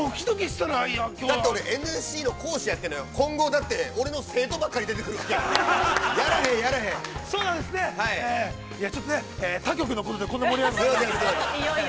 ◆だって俺、ＮＳＣの講師やっているのよ、今後俺の生徒ばっかり出てくるのよ。